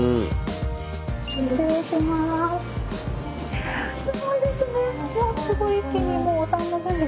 失礼します。